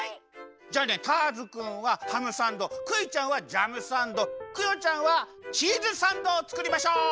じゃあねターズくんはハムサンドクイちゃんはジャムサンドクヨちゃんはチーズサンドをつくりましょう！